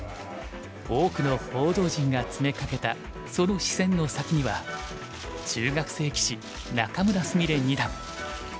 多くの報道陣が詰めかけたその視線の先には中学生棋士仲邑菫二段。